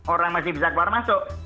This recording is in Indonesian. orang masih bisa keluar masuk